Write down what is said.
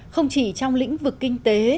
không chỉ trong lĩnh vực kinh tế